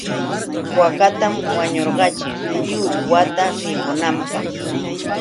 Waakatam wañurquchin lliw wata mikunanpaq.